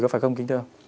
có phải không kinh thương